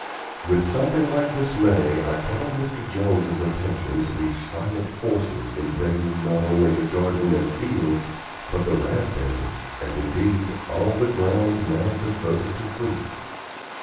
With something like dismay I called Mr. Jones's attention to these silent forces, invading, not only the garden and fields, but the raspberries and, indeed, all the ground now devoted to fruit.